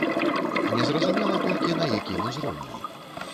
Незразумела толькі, на якім узроўні.